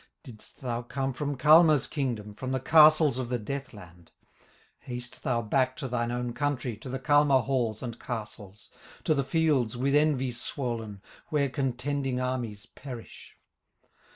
"Didst thou come from Kalma's kingdom, From the castles of the death land? Haste thou back to thine own country, To the Kalma halls and castles, To the fields with envy swollen, Where contending armies perish.